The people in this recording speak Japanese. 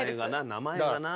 名前がな。